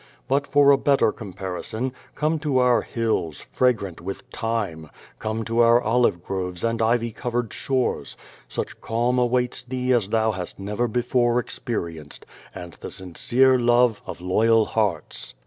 But for a better com parison, come to our hills, fragrant with thyme; come to our olive groves and ivy covered shores. Such calm awaits thee as thou hast never before experienced, and the sincere love of loyal hearts.